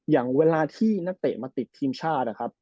อย่างเวลาที่นักเตะมาติดทีมชาตินะครับ